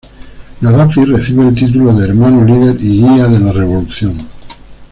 Gadafi recibe el título de "Hermano Líder y Guía de la Revolución".